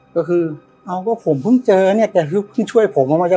ก็คือเอาแล้วผมเพิ่งเจอเนี้ยแทบหนึ่งช่วยผมกว่ามากนี้